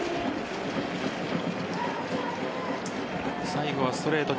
最後はストレート